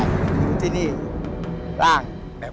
อยู่ที่นี่ร่างแบบ